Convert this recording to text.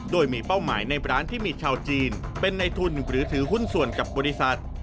โดยมีเป้าหมายในร้านที่มีชาวจีนเป็นในทุนหรือถือหุ้นส่วนกับบริษัท